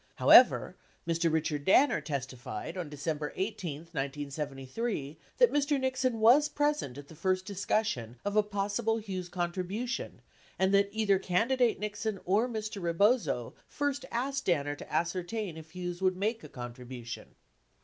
49 However, Mr. Richard Danner testified on December 18, 1973, that Mr. Nixon was present at the first discussion of a possible Hughes contribution and that either candidate Nixon or Mr. Rebozo first asked Danner to ascertain if Hughes would make a contribution.